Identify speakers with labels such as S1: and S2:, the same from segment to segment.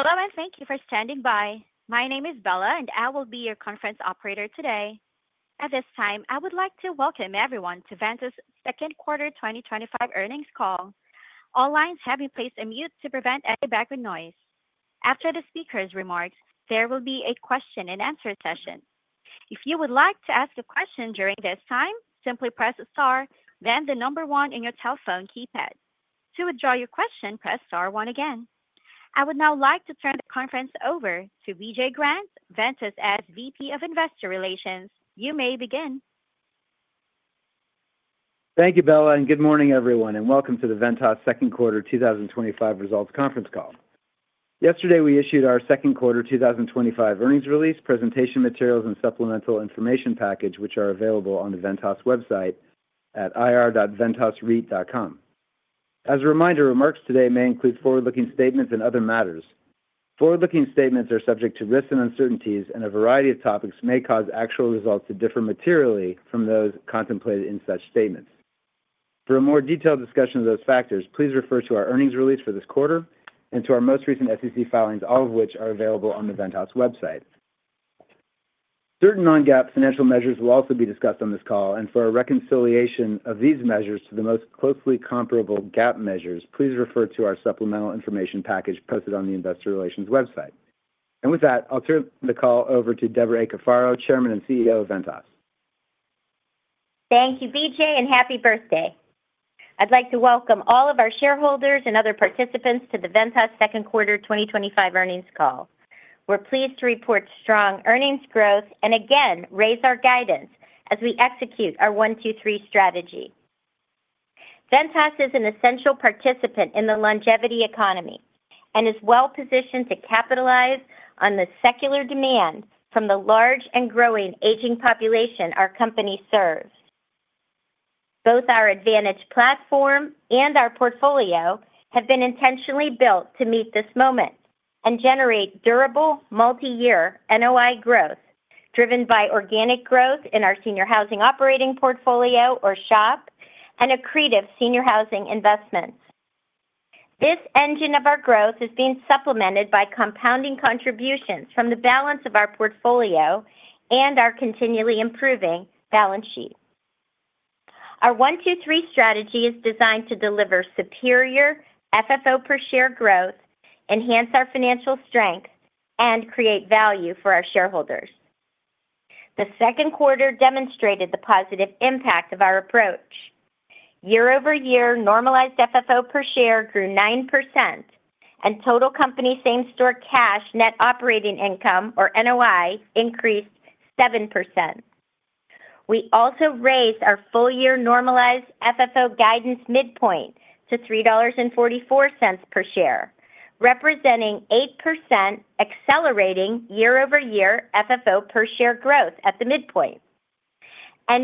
S1: Hello and thank you for standing by. My name is Bella, and I will be your conference operator today. At this time, I would like to welcome everyone to Ventas' second quarter 2025 earnings call. All lines have been placed on mute to prevent any background noise. After the speaker's remarks, there will be a question-and-answer session. If you would like to ask a question during this time, simply press star, then the number one on your telephone keypad. To withdraw your question, press star one again. I would now like to turn the conference over to Vijay Grant, Ventas' SVP of Investor Relations. You may begin.
S2: Thank you, Bella, and good morning, everyone, and welcome to the Ventas second quarter 2025 results conference call. Yesterday, we issued our second quarter 2025 earnings release, presentation materials, and supplemental information package, which are available on the Ventas website at ir.ventasreit.com. As a reminder, remarks today may include forward-looking statements and other matters. Forward-looking statements are subject to risks and uncertainties, and a variety of topics may cause actual results to differ materially from those contemplated in such statements. For a more detailed discussion of those factors, please refer to our earnings release for this quarter and to our most recent SEC filings, all of which are available on the Ventas website. Certain non-GAAP financial measures will also be discussed on this call, and for a reconciliation of these measures to the most closely comparable GAAP measures, please refer to our supplemental information package posted on the Investor Relations website. With that, I'll turn the call over to Debra A. Cafaro, Chairman and CEO of Ventas.
S3: Thank you, Vijay., and happy birthday. I'd like to welcome all of our shareholders and other participants to the Ventas second quarter 2025 earnings call. We're pleased to report strong earnings growth and, again, raise our guidance as we execute our 1-2-3 strategy. Ventas is an essential participant in the longevity economy and is well-positioned to capitalize on the secular demand from the large and growing aging population our company serves. Both our Advantage platform and our portfolio have been intentionally built to meet this moment and generate durable multi-year NOI growth driven by organic growth in our Senior Housing Operating Portfolio, or SHOP, and accretive senior housing investments. This engine of our growth is being supplemented by compounding contributions from the balance of our portfolio and our continually improving balance sheet. Our 1-2-3 strategy is designed to deliver superior FFO per share growth, enhance our financial strength, and create value for our shareholders. The second quarter demonstrated the positive impact of our approach. Year-over-year, normalized FFO per share grew 9%. Total company same-store cash net operating income, or NOI, increased 7%. We also raised our full-year normalized FFO guidance midpoint to $3.44 per share, representing 8% accelerating year-over-year FFO per share growth at the midpoint.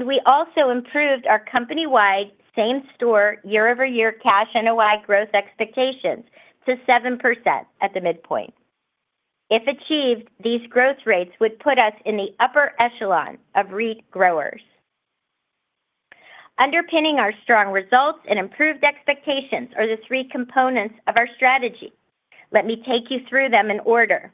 S3: We also improved our company-wide same-store year-over-year cash NOI growth expectations to 7% at the midpoint. If achieved, these growth rates would put us in the upper echelon of REIT growers. Underpinning our strong results and improved expectations are the three components of our strategy. Let me take you through them in order.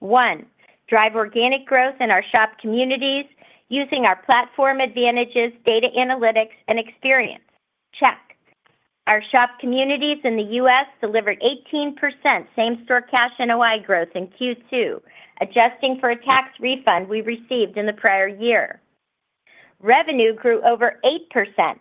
S3: One, drive organic growth in our SHOP communities using our platform advantages, data analytics, and experience. Check. Our SHOP communities in the U.S. delivered 18% same-store cash NOI growth in Q2, adjusting for a tax refund we received in the prior year. Revenue grew over 8%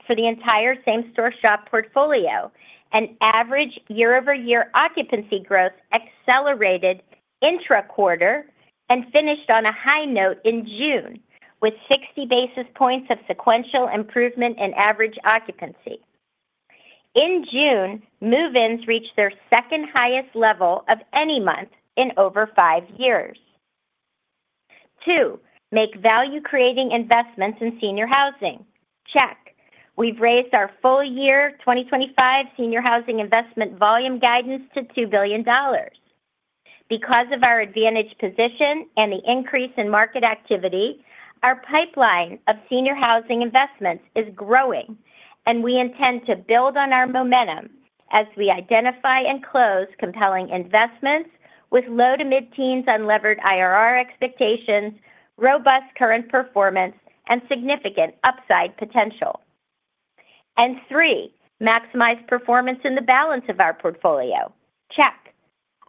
S3: for the entire same-store SHOP portfolio, and average year-over-year occupancy growth accelerated intra-quarter and finished on a high note in June with 60 basis points of sequential improvement in average occupancy. In June, move-ins reached their second highest level of any month in over five years. Two, make value-creating investments in senior housing. Check. We've raised our full-year 2025 senior housing investment volume guidance to $2 billion. Because of our advantaged position and the increase in market activity, our pipeline of senior housing investments is growing, and we intend to build on our momentum as we identify and close compelling investments with low to mid-teens unlevered IRR expectations, robust current performance, and significant upside potential. Three, maximize performance in the balance of our portfolio. Check.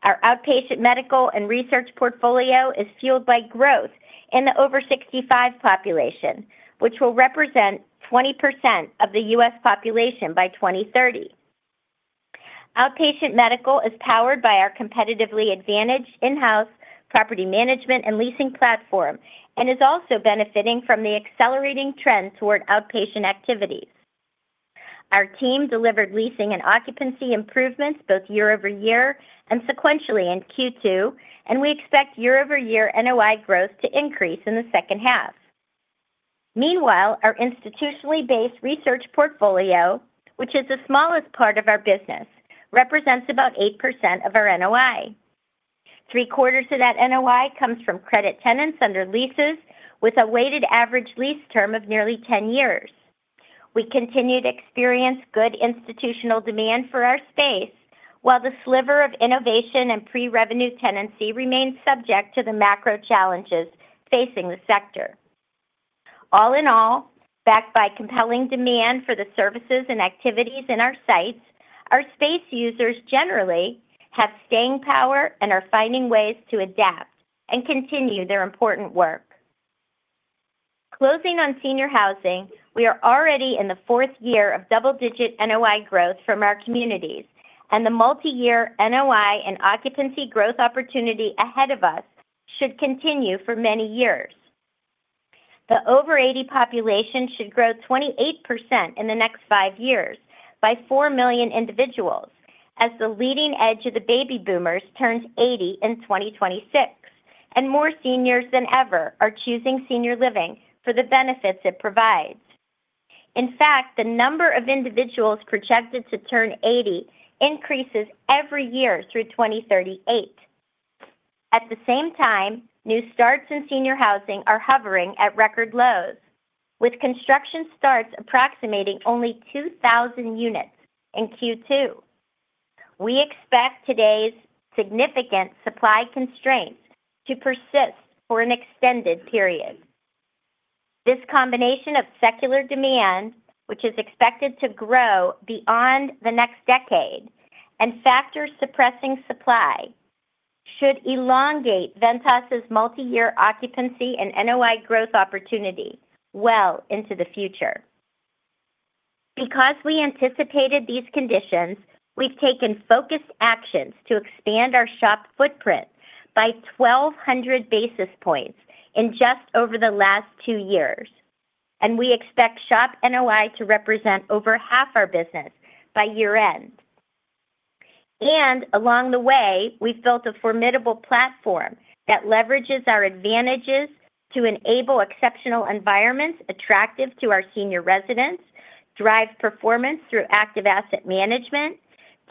S3: Our outpatient medical and research portfolio is fueled by growth in the over-65 population, which will represent 20% of the U.S. population by 2030. Outpatient medical is powered by our competitively advantaged in-house property management and leasing platform and is also benefiting from the accelerating trend toward outpatient activities. Our team delivered leasing and occupancy improvements both year-over-year and sequentially in Q2, and we expect year-over-year NOI growth to increase in the second half. Meanwhile, our institutionally based research portfolio, which is the smallest part of our business, represents about 8% of our NOI. Three-quarters of that NOI comes from credit tenants under leases with a weighted average lease term of nearly 10 years. We continue to experience good institutional demand for our space, while the sliver of innovation and pre-revenue tenancy remains subject to the macro challenges facing the sector. All in all, backed by compelling demand for the services and activities in our sites, our space users generally have staying power and are finding ways to adapt and continue their important work. Closing on senior housing, we are already in the fourth year of double-digit NOI growth from our communities, and the multi-year NOI and occupancy growth opportunity ahead of us should continue for many years. The over-80 population should grow 28% in the next five years by 4 million individuals as the leading edge of the baby boomers turns 80 in 2026, and more seniors than ever are choosing senior living for the benefits it provides. In fact, the number of individuals projected to turn 80 increases every year through 2038. At the same time, new starts in senior housing are hovering at record lows, with construction starts approximating only 2,000 units in Q2. We expect today's significant supply constraints to persist for an extended period. This combination of secular demand, which is expected to grow beyond the next decade, and factors suppressing supply. Should elongate Ventas' multi-year occupancy and NOI growth opportunity well into the future. Because we anticipated these conditions, we've taken focused actions to expand our SHOP footprint by 1,200 basis points in just over the last two years, and we expect SHOP NOI to represent over half our business by year-end. Along the way, we've built a formidable platform that leverages our advantages to enable exceptional environments attractive to our senior residents, drive performance through active asset management,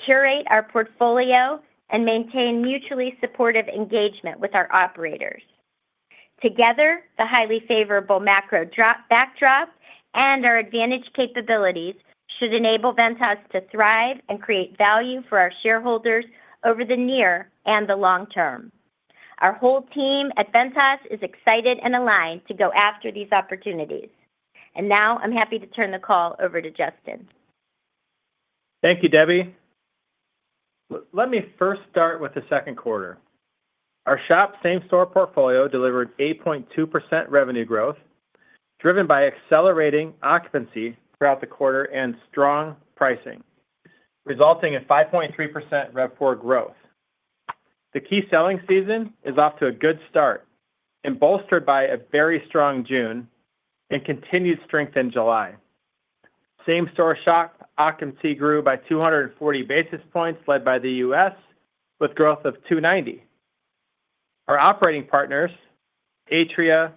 S3: curate our portfolio, and maintain mutually supportive engagement with our operators. Together, the highly favorable macro backdrop and our advantage capabilities should enable Ventas to thrive and create value for our shareholders over the near and the long term. Our whole team at Ventas is excited and aligned to go after these opportunities. Now I'm happy to turn the call over to Justin.
S4: Thank you, Debbie. Let me first start with the second quarter. Our SHOP same-store portfolio delivered 8.2% revenue growth, driven by accelerating occupancy throughout the quarter and strong pricing, resulting in 5.3% RevPOR growth. The key selling season is off to a good start and bolstered by a very strong June and continued strength in July. Same-store SHOP occupancy grew by 240 basis points, led by the U.S. with growth of 290. Our operating partners, Atria,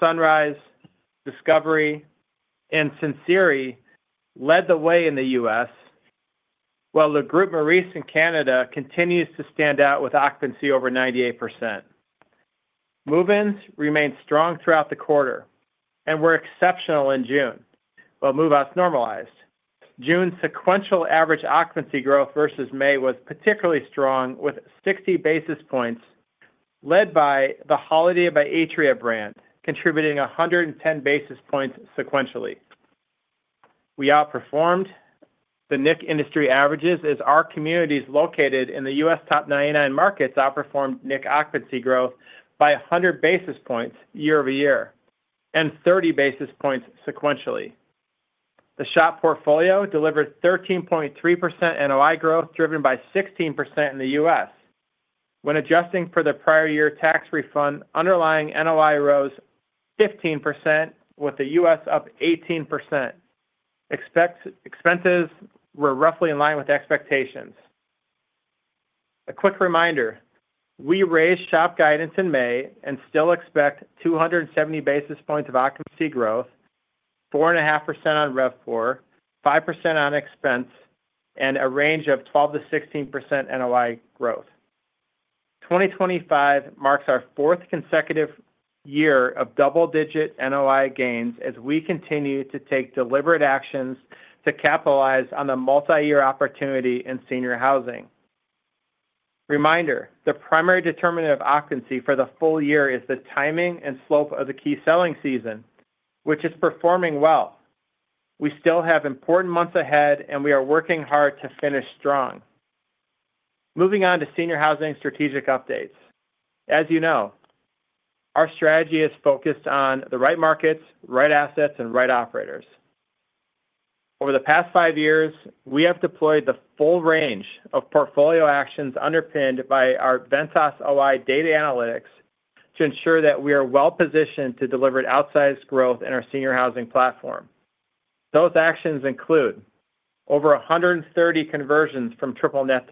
S4: Sunrise, Discovery Senior Living, and Atria, led the way in the U.S., while Le Groupe Maurice in Canada continues to stand out with occupancy over 98%. Move-ins remained strong throughout the quarter and were exceptional in June while move-outs normalized. June's sequential average occupancy growth versus May was particularly strong with 60 basis points, led by the Holiday by Atria brand, contributing 110 basis points sequentially. We outperformed the NIC industry averages as our communities located in the U.S. top 99 markets outperformed NIC occupancy growth by 100 basis points year-over-year and 30 basis points sequentially. The SHOP portfolio delivered 13.3% NOI growth, driven by 16% in the U.S. When adjusting for the prior year tax refund, underlying NOI rose 15%, with the U.S. up 18%. Expenses were roughly in line with expectations. A quick reminder, we raised SHOP guidance in May and still expect 270 basis points of occupancy growth, 4.5% on RevPOR, 5% on expense, and a range of 12%-16% NOI growth. 2025 marks our fourth consecutive year of double-digit NOI gains as we continue to take deliberate actions to capitalize on the multi-year opportunity in senior housing. Reminder, the primary determinant of occupancy for the full year is the timing and slope of the key selling season, which is performing well. We still have important months ahead, and we are working hard to finish strong. Moving on to senior housing strategic updates. As you know, our strategy is focused on the right markets, right assets, and right operators. Over the past five years, we have deployed the full range of portfolio actions underpinned by our Ventas OI data analytics to ensure that we are well-positioned to deliver outsized growth in our senior housing platform. Those actions include over 130 conversions from triple net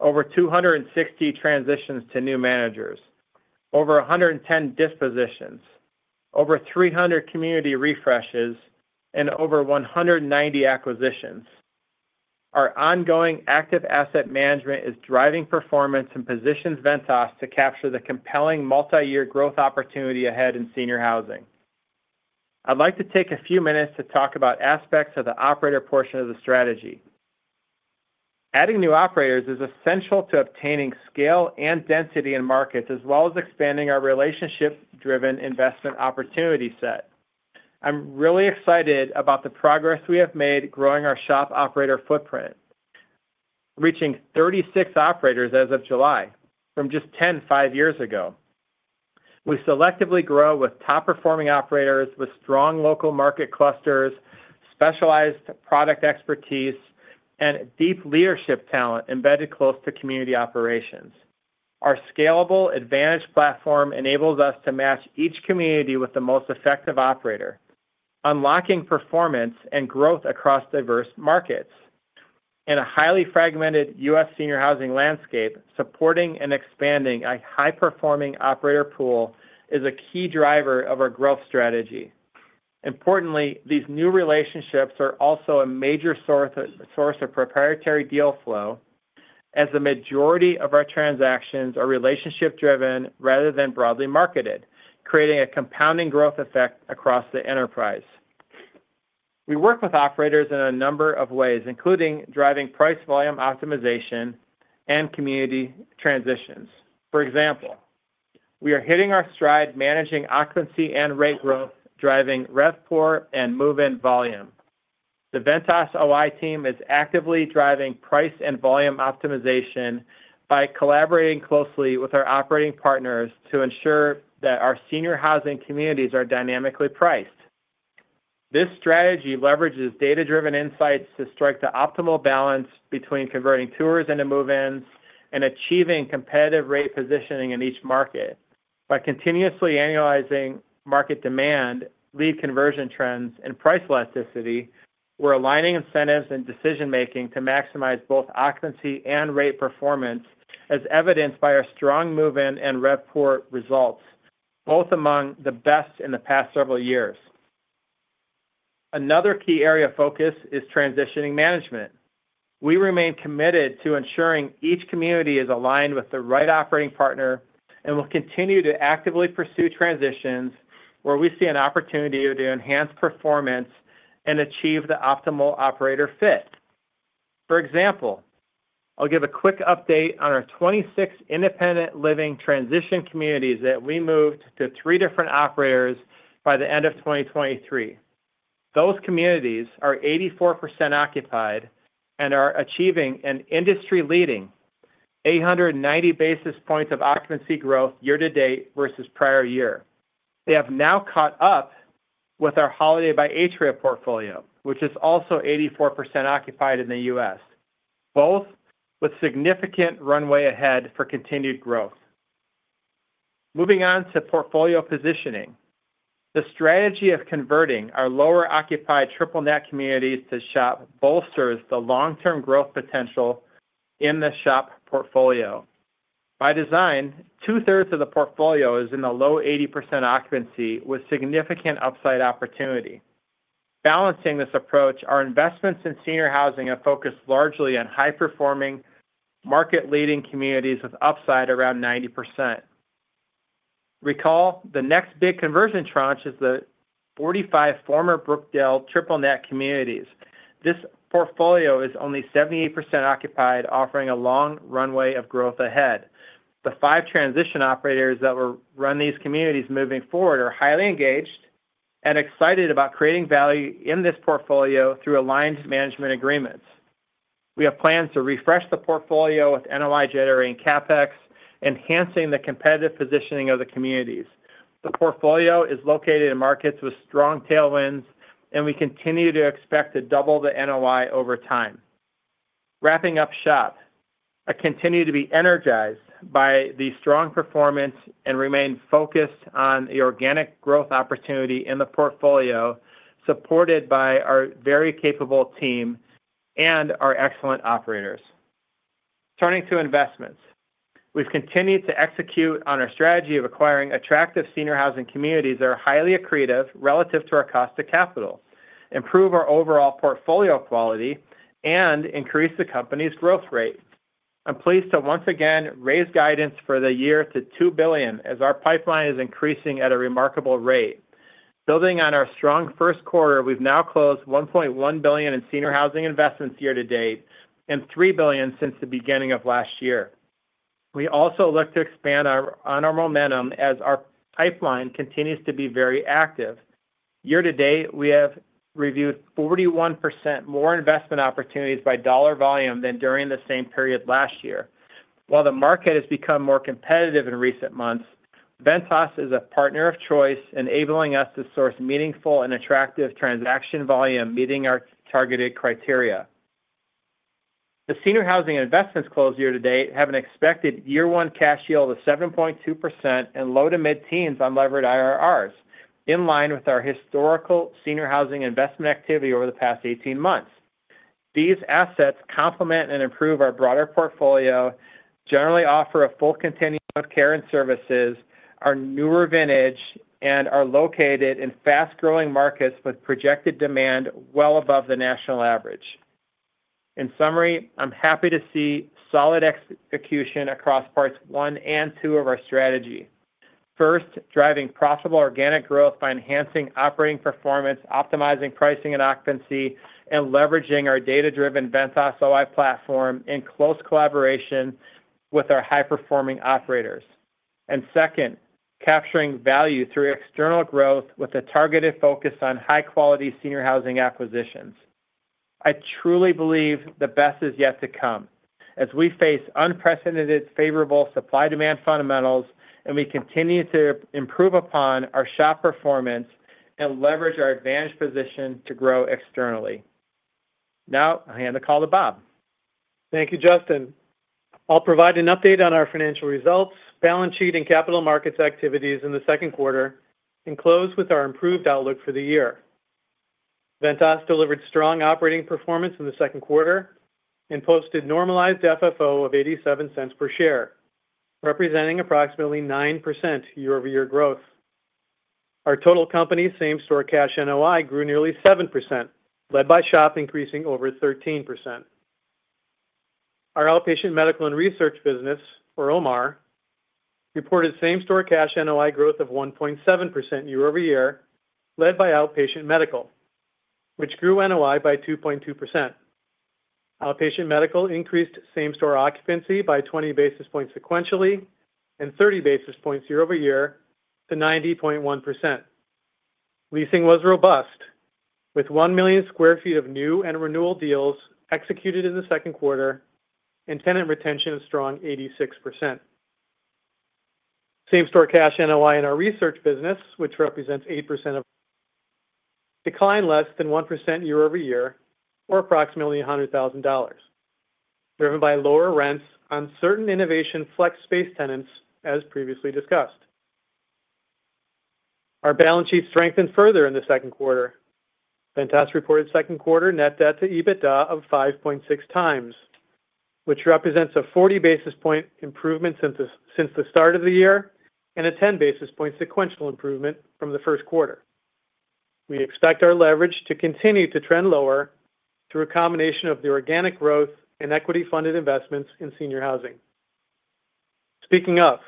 S4: to SHOP, over 260 transitions to new managers, over 110 dispositions, over 300 community refreshes, and over 190 acquisitions. Our ongoing active asset management is driving performance and positions Ventas to capture the compelling multi-year growth opportunity ahead in senior housing. I'd like to take a few minutes to talk about aspects of the operator portion of the strategy. Adding new operators is essential to obtaining scale and density in markets, as well as expanding our relationship-driven investment opportunity set. I'm really excited about the progress we have made growing our SHOP operator footprint, reaching 36 operators as of July from just 10 five years ago. We selectively grow with top-performing operators with strong local market clusters, specialized product expertise, and deep leadership talent embedded close to community operations. Our scalable advantage platform enables us to match each community with the most effective operator, unlocking performance and growth across diverse markets. In a highly fragmented U.S. senior housing landscape, supporting and expanding a high-performing operator pool is a key driver of our growth strategy. Importantly, these new relationships are also a major source of proprietary deal flow as the majority of our transactions are relationship-driven rather than broadly marketed, creating a compounding growth effect across the enterprise. We work with operators in a number of ways, including driving price volume optimization and community transitions. For example, we are hitting our stride managing occupancy and rate growth, driving RevPOR and move-in volume. The Ventas OI team is actively driving price and volume optimization by collaborating closely with our operating partners to ensure that our senior housing communities are dynamically priced. This strategy leverages data-driven insights to strike the optimal balance between converting tours into move-ins and achieving competitive rate positioning in each market. By continuously analyzing market demand, lead conversion trends, and price elasticity, we're aligning incentives and decision-making to maximize both occupancy and rate performance, as evidenced by our strong move-in and RevPOR results, both among the best in the past several years. Another key area of focus is transitioning management. We remain committed to ensuring each community is aligned with the right operating partner and will continue to actively pursue transitions where we see an opportunity to enhance performance and achieve the optimal operator fit. For example, I'll give a quick update on our 26 independent living transition communities that we moved to three different operators by the end of 2023. Those communities are 84% occupied and are achieving an industry-leading 890 basis points of occupancy growth year-to-date versus prior year. They have now caught up with our Holiday by Atria portfolio, which is also 84% occupied in the U.S., both with significant runway ahead for continued growth. Moving on to portfolio positioning, the strategy of converting our lower-occupied triple net communities to SHOP bolsters the long-term growth potential in the SHOP portfolio. By design, two-thirds of the portfolio is in the low 80% occupancy with significant upside opportunity. Balancing this approach, our investments in senior housing have focused largely on high-performing, market-leading communities with upside around 90%. Recall, the next big conversion tranche is the 45 former Brookdale triple net communities. This portfolio is only 78% occupied, offering a long runway of growth ahead. The five transition operators that will run these communities moving forward are highly engaged and excited about creating value in this portfolio through aligned management agreements. We have plans to refresh the portfolio with NOI-generating CapEx, enhancing the competitive positioning of the communities. The portfolio is located in markets with strong tailwinds, and we continue to expect to double the NOI over time. Wrapping up SHOP, I continue to be energized by the strong performance and remain focused on the organic growth opportunity in the portfolio supported by our very capable team and our excellent operators. Turning to investments, we've continued to execute on our strategy of acquiring attractive senior housing communities that are highly accretive relative to our cost of capital, improve our overall portfolio quality, and increase the company's growth rate. I'm pleased to once again raise guidance for the year to $2 billion as our pipeline is increasing at a remarkable rate. Building on our strong first quarter, we've now closed $1.1 billion in senior housing investments year-to-date and $3 billion since the beginning of last year. We also look to expand our honor momentum as our pipeline continues to be very active. Year-to-date, we have reviewed 41% more investment opportunities by dollar volume than during the same period last year. While the market has become more competitive in recent months, Ventas is a partner of choice, enabling us to source meaningful and attractive transaction volume meeting our targeted criteria. The senior housing investments closed year-to-date have an expected year-one cash yield of 7.2% and low to mid-teens on levered IRRs, in line with our historical senior housing investment activity over the past 18 months. These assets complement and improve our broader portfolio, generally offer a full continuum of care and services, are newer vintage, and are located in fast-growing markets with projected demand well above the national average. In summary, I'm happy to see solid execution across parts one and two of our strategy. First, driving profitable organic growth by enhancing operating performance, optimizing pricing and occupancy, and leveraging our data-driven Ventas OI platform in close collaboration with our high-performing operators. Second, capturing value through external growth with a targeted focus on high-quality senior housing acquisitions. I truly believe the best is yet to come as we face unprecedented favorable supply-demand fundamentals and we continue to improve upon our SHOP performance and leverage our advantage position to grow externally. Now I hand the call to Bob.
S5: Thank you, Justin. I'll provide an update on our financial results, balance sheet, and capital markets activities in the second quarter and close with our improved outlook for the year. Ventas delivered strong operating performance in the second quarter and posted normalized FFO of $0.87 per share, representing approximately 9% year-over-year growth. Our total company same-store cash NOI grew nearly 7%, led by SHOP, increasing over 13%. Our outpatient medical and research business, or OMR, reported same-store cash NOI growth of 1.7% year-over-year, led by outpatient medical, which grew NOI by 2.2%. Outpatient medical increased same-store occupancy by 20 basis points sequentially and 30 basis points year-over-year to 90.1%. Leasing was robust with 1 million sq ft of new and renewal deals executed in the second quarter and tenant retention of a strong 86%. Same-store cash NOI in our research business, which represents 8% of NOI, declined less than 1% year-over-year or approximately $100,000, driven by lower rents on certain innovation flex space tenants, as previously discussed. Our balance sheet strengthened further in the second quarter. Ventas reported second quarter net debt to EBITDA of 5.6x which represents a 40 basis point improvement since the start of the year and a 10 basis point sequential improvement from the first quarter. We expect our leverage to continue to trend lower through a combination of the organic growth and equity-funded investments in senior housing. Speaking of,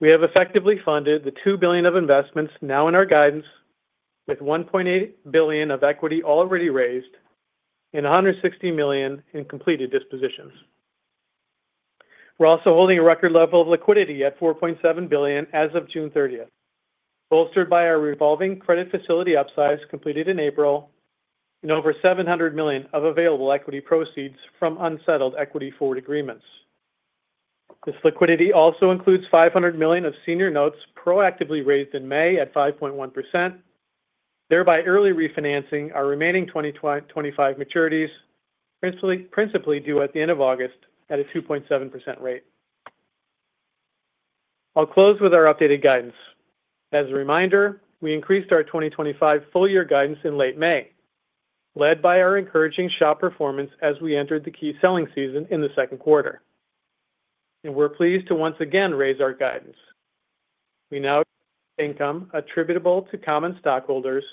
S5: we have effectively funded the $2 billion of investments now in our guidance with $1.8 billion of equity already raised and $160 million in completed dispositions. We're also holding a record level of liquidity at $4.7 billion as of June 30, bolstered by our revolving credit facility upsize completed in April and over $700 million of available equity proceeds from unsettled equity forward agreements. This liquidity also includes $500 million of senior notes proactively raised in May at 5.1%, thereby early refinancing our remaining 2025 maturities, principally due at the end of August at a 2.7% rate. I'll close with our updated guidance. As a reminder, we increased our 2025 full-year guidance in late May, led by our encouraging SHOP performance as we entered the key selling season in the second quarter. We're pleased to once again raise our guidance. We now expect income attributable to common stockholders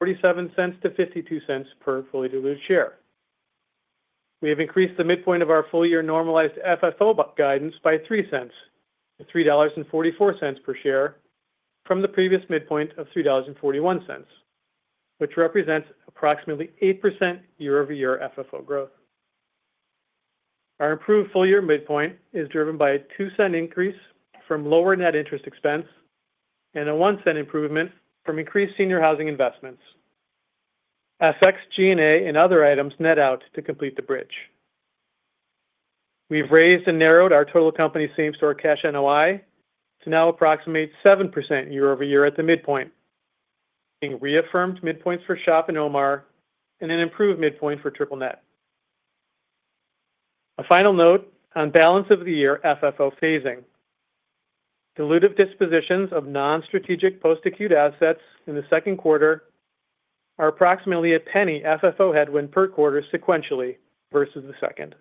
S5: of $0.47-$0.52 per fully diluted share. We have increased the midpoint of our full-year normalized FFO guidance by $0.03-$3.44 per share from the previous midpoint of $3.41, which represents approximately 8% year-over-year FFO growth. Our improved full-year midpoint is driven by a $0.02 increase from lower net interest expense and a $0.01 improvement from increased senior housing investments. FX, G&A, and other items net out to complete the bridge. We've raised and narrowed our total company same-store cash NOI to now approximate 7% year-over-year at the midpoint, reaffirmed midpoints for SHOP and OMR, and an improved midpoint for triple net. A final note on balance of the year FFO phasing: dilutive dispositions of non-strategic post-acute assets in the second quarter are approximately a $0.01 FFO headwind per quarter sequentially versus the second.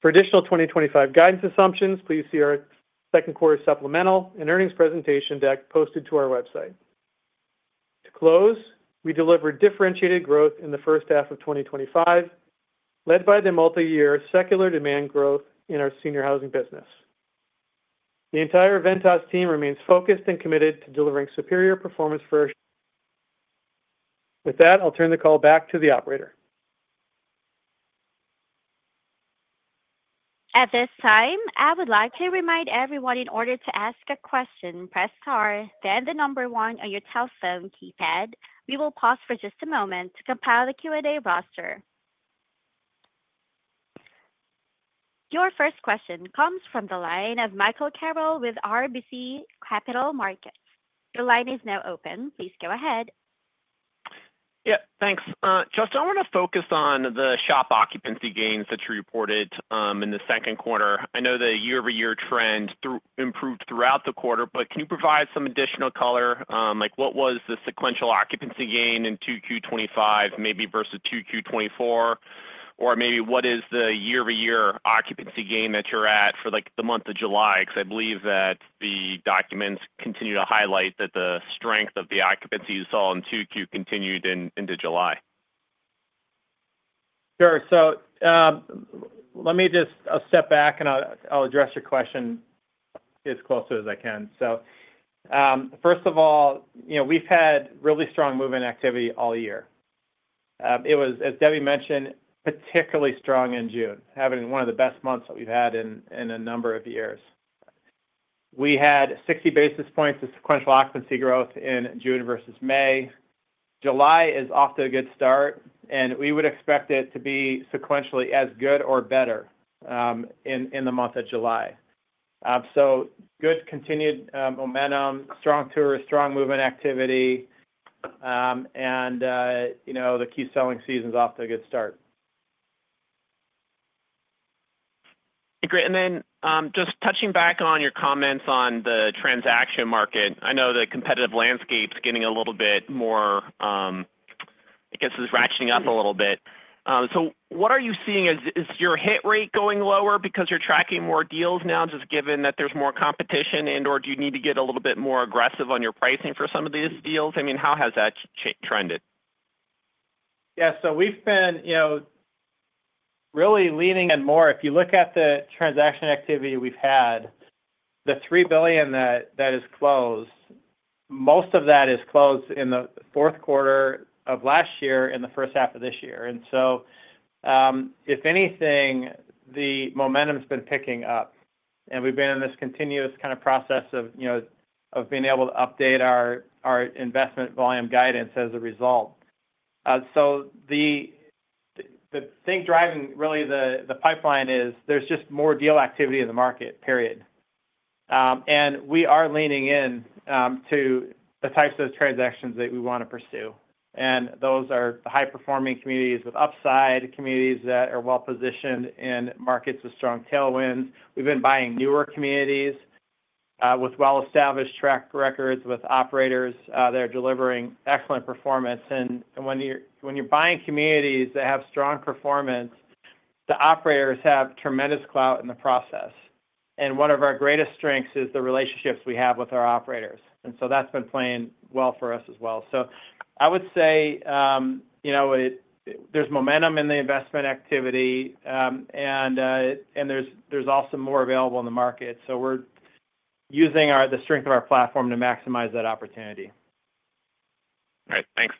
S5: For additional 2025 guidance assumptions, please see our second quarter supplemental and earnings presentation deck posted to our website. To close, we delivered differentiated growth in the first half of 2025, led by the multi-year secular demand growth in our senior housing business. The entire Ventas team remains focused and committed to delivering superior performance for our SHOP. With that, I'll turn the call back to the operator.
S1: At this time, I would like to remind everyone in order to ask a question, press star, then the number one on your telephone keypad. We will pause for just a moment to compile the Q&A roster. Your first question comes from the line of Michael Carroll with RBC Capital Markets. The line is now open. Please go ahead.
S6: Yeah, thanks. Justin, I want to focus on the SHOP occupancy gains that you reported in the second quarter. I know the year-over-year trend improved throughout the quarter, but can you provide some additional color? What was the sequential occupancy gain in Q2 2025 maybe versus Q2 2024? Or maybe what is the year-over-year occupancy gain that you're at for the month of July? I believe that the documents continue to highlight that the strength of the occupancy you saw in Q2 continued into July.
S4: Sure. Let me just step back and I'll address your question as closely as I can. First of all, we've had really strong move-in activity all year. It was, as Debbie mentioned, particularly strong in June, having one of the best months that we've had in a number of years. We had 60 basis points of sequential occupancy growth in June versus May. July is off to a good start, and we would expect it to be sequentially as good or better in the month of July. Good continued momentum, strong tours, strong move-in activity. The key selling season's off to a good start.
S6: Great. Just touching back on your comments on the transaction market, I know the competitive landscape's getting a little bit more. I guess, is ratcheting up a little bit. What are you seeing? Is your hit rate going lower because you're tracking more deals now, just given that there's more competition, and/or do you need to get a little bit more aggressive on your pricing for some of these deals? I mean, how has that trended?
S4: Yeah. We've been really leaning in more. If you look at the transaction activity we've had, the $3 billion that is closed, most of that is closed in the fourth quarter of last year and the first half of this year. If anything, the momentum's been picking up. We've been in this continuous kind of process of being able to update our investment volume guidance as a result. The thing driving really the pipeline is there's just more deal activity in the market, period. We are leaning in to the types of transactions that we want to pursue, and those are the high-performing communities with upside, communities that are well-positioned in markets with strong tailwinds. We've been buying newer communities with well-established track records with operators that are delivering excellent performance. When you're buying communities that have strong performance, the operators have tremendous clout in the process. One of our greatest strengths is the relationships we have with our operators, and that's been playing well for us as well. I would say there's momentum in the investment activity, and there's also more available in the market. We're using the strength of our platform to maximize that opportunity.
S6: All right. Thanks.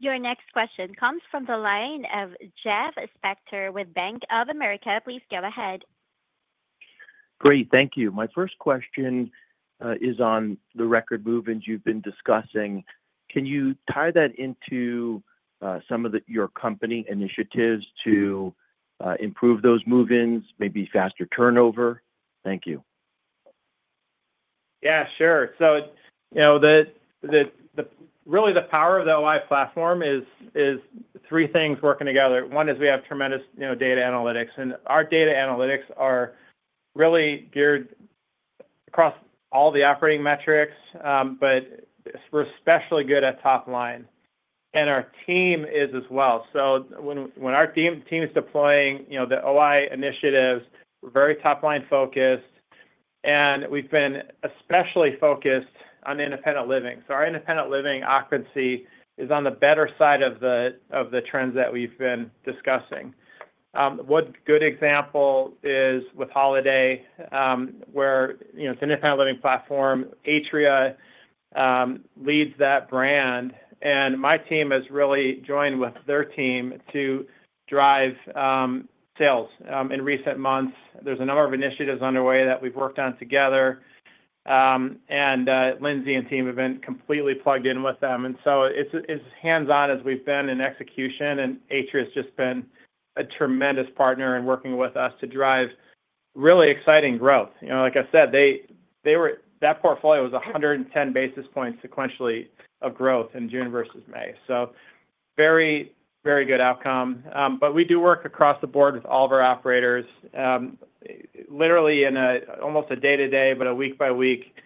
S1: Your next question comes from the line of Jeff Spector with Bank of America. Please go ahead.
S7: Great. Thank you. My first question is on the record movements you've been discussing. Can you tie that into some of your company initiatives to improve those movements, maybe faster turnover? Thank you.
S4: Yeah, sure. Really, the power of the Ventas OI platform is three things working together. One is we have tremendous data analytics, and our data analytics are really geared across all the operating metrics. We're especially good at top line, and our team is as well. When our team is deploying the OI initiatives, we're very top-line focused. We've been especially focused on independent living, so our independent living occupancy is on the better side of the trends that we've been discussing. One good example is with Holiday, where it's an independent living platform. Atria leads that brand, and my team has really joined with their team to drive sales. In recent months, there's a number of initiatives underway that we've worked on together, and Lindsay and team have been completely plugged in with them. It's as hands-on as we've been in execution, and Atria has just been a tremendous partner in working with us to drive really exciting growth. Like I said, that portfolio was 110 basis points sequentially of growth in June versus May, so very, very good outcome. We do work across the board with all of our operators, literally in almost a day-to-day, but a week-by-week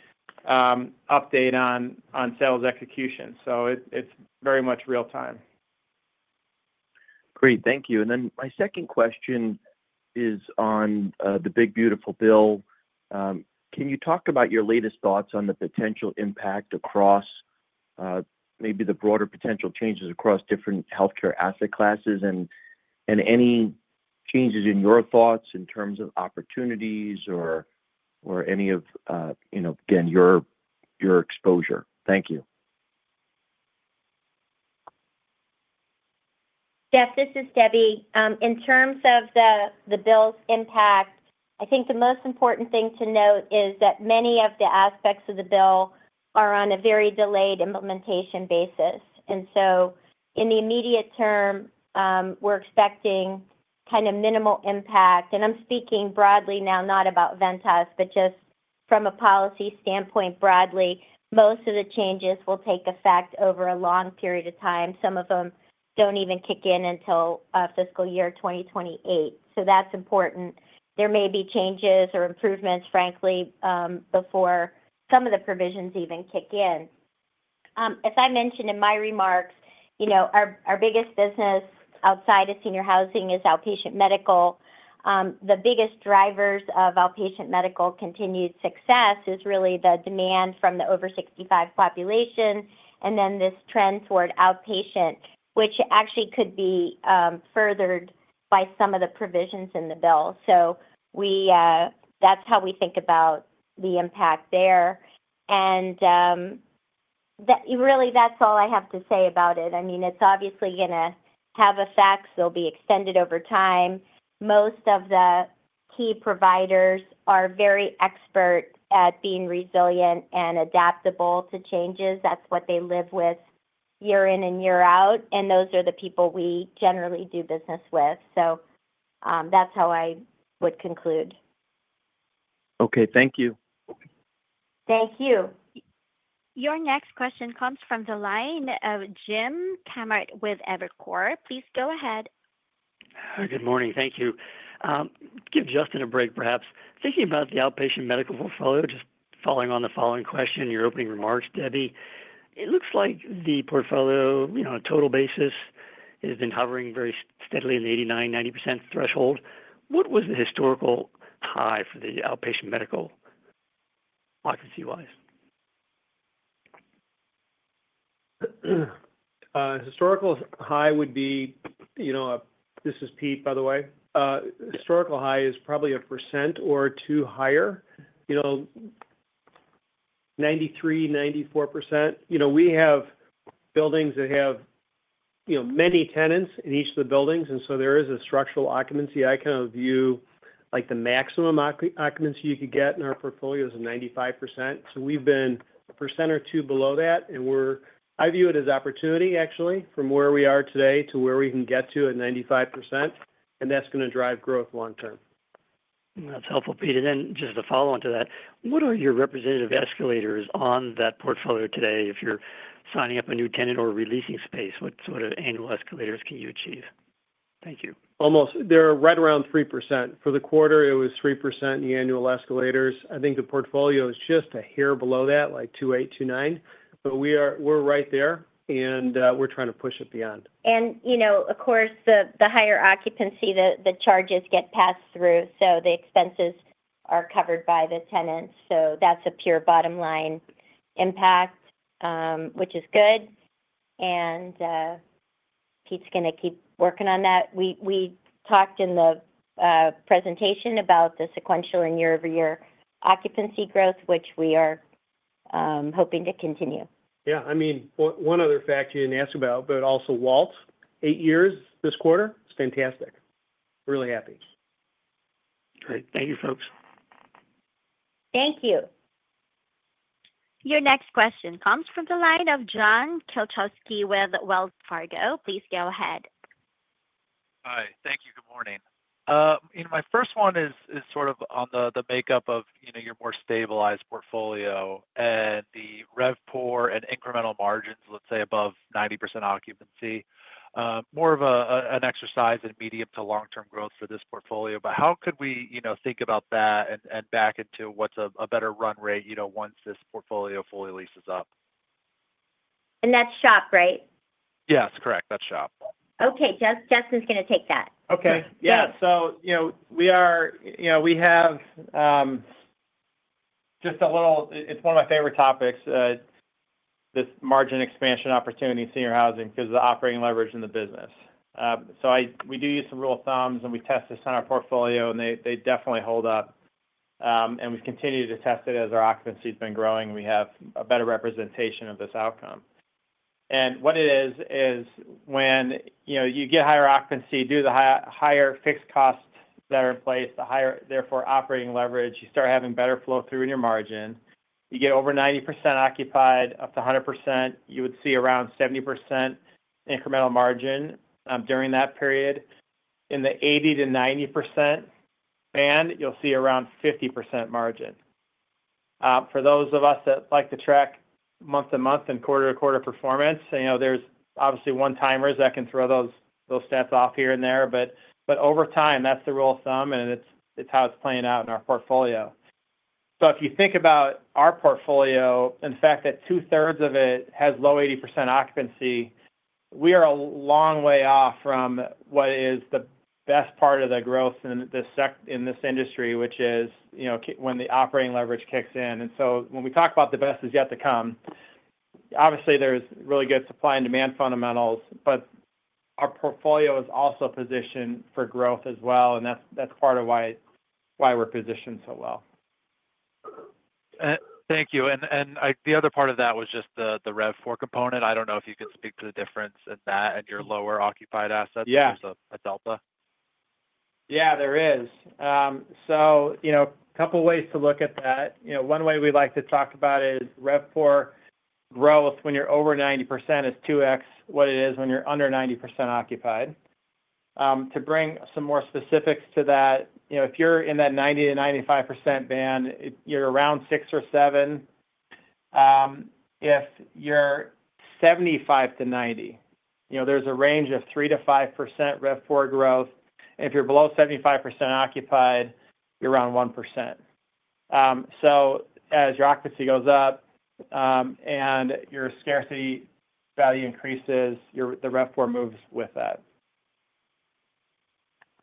S4: update on sales execution. It's very much real-time.
S7: Great. Thank you. My second question is on the big, beautiful bill. Can you talk about your latest thoughts on the potential impact across maybe the broader potential changes across different healthcare asset classes and any changes in your thoughts in terms of opportunities or any of your exposure? Thank you.
S3: Jeff, this is Debbie. In terms of the bill's impact, I think the most important thing to note is that many of the aspects of the bill are on a very delayed implementation basis. In the immediate term, we're expecting kind of minimal impact. I'm speaking broadly now, not about Ventas, but just from a policy standpoint broadly, most of the changes will take effect over a long period of time. Some of them don't even kick in until fiscal year 2028. That's important. There may be changes or improvements, frankly, before some of the provisions even kick in, as I mentioned in my remarks. Our biggest business outside of senior housing is outpatient medical. The biggest drivers of outpatient medical continued success are really the demand from the over-65 population and this trend toward outpatient, which actually could be furthered by some of the provisions in the bill. That's how we think about the impact there. Really, that's all I have to say about it. It's obviously going to have effects. They'll be extended over time. Most of the key providers are very expert at being resilient and adaptable to changes. That's what they live with year in and year out, and those are the people we generally do business with. That's how I would conclude.
S7: Okay. Thank you.
S1: Thank you. Your next question comes from the line of Jim Kammert with Evercore. Please go ahead.
S8: Good morning. Thank you. Give Justin a break, perhaps. Thinking about the outpatient medical portfolio, just following on the following question, your opening remarks, Debbie, it looks like the portfolio, on a total basis, has been hovering very steadily in the 89%, 90% threshold. What was the historical high for the outpatient medical, occupancy-wise?
S9: Historical high would be. This is Pete, by the way. Historical high is probably a percent or two higher, 93%, 94%. We have buildings that have many tenants in each of the buildings, and so there is a structural occupancy. I kind of view the maximum occupancy you could get in our portfolio is 95%. We've been 1% or 2% below that. I view it as opportunity, actually, from where we are today to where we can get to at 95%. That's going to drive growth long-term.
S8: That's helpful, Pete. Just to follow on to that, what are your representative escalators on that portfolio today? If you're signing up a new tenant or releasing space, what sort of annual escalators can you achieve? Thank you.
S9: Almost. They're right around 3%. For the quarter, it was 3% in the annual escalators. I think the portfolio is just a hair below that, like 2.8%, 2.9%. We're right there, and we're trying to push it beyond.
S3: Of course, the higher occupancy, the charges get passed through. The expenses are covered by the tenants, so that's a pure bottom-line impact, which is good. Pete's going to keep working on that. We talked in the presentation about the sequential and year-over-year occupancy growth, which we are hoping to continue.
S9: Yeah. I mean, one other fact you didn't ask about, but also Walt's eight years this quarter. It's fantastic. Really happy.
S8: Great. Thank you, folks.
S1: Thank you. Your next question comes from the line of John Kielczewski with Wells Fargo. Please go ahead.
S10: Hi. Thank you. Good morning. My first one is sort of on the makeup of your more stabilized portfolio and the RevPOR and incremental margins, let's say, above 90% occupancy. More of an exercise in medium to long-term growth for this portfolio. How could we think about that and back into what's a better run rate once this portfolio fully leases up?
S3: That's SHOP, right?
S10: Yes, correct. That's SHOP.
S3: Okay. Justin is going to take that.
S4: Okay. Yeah. We have just a little—it's one of my favorite topics. This margin expansion opportunity in senior housing because of the operating leverage in the business. We do use some rule of thumbs, and we test this on our portfolio, and they definitely hold up. We've continued to test it as our occupancy has been growing. We have a better representation of this outcome. What it is, is when you get higher occupancy, due to the higher fixed costs that are in place, the higher, therefore, operating leverage, you start having better flow through in your margin. You get over 90% occupied, up to 100%, you would see around 70% incremental margin during that period. In the 80%-90% band, you'll see around 50% margin. For those of us that like to track month-to-month and quarter-to-quarter performance, there's obviously one-timers that can throw those stats off here and there. Over time, that's the rule of thumb, and it's how it's playing out in our portfolio. If you think about our portfolio, in fact, that two-thirds of it has low 80% occupancy, we are a long way off from what is the best part of the growth in this industry, which is when the operating leverage kicks in. When we talk about the best is yet to come, obviously, there's really good supply and demand fundamentals, but our portfolio is also positioned for growth as well. That's part of why we're positioned so well.
S10: Thank you. The other part of that was just the Rev 4 component. I don't know if you could speak to the difference in that and your lower occupied assets versus a Delta.
S4: Yeah. There is. A couple of ways to look at that. One way we like to talk about is Rev 4 growth when you're over 90% is 2x what it is when you're under 90% occupied. To bring some more specifics to that, if you're in that 90%-95% band, you're around 6% or 7%. If you're 75%-90%, there's a range of 3%-5% Rev 4 growth. If you're below 75% occupied, you're around 1%. As your occupancy goes up and your scarcity value increases, the Rev 4 moves with that.